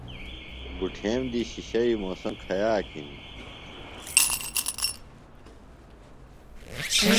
بُٹھیم دی شِشیویۡ موسم کھیاک ہِنیۡ؟